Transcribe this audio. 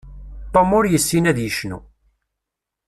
Tom ur yessin ad yecnu.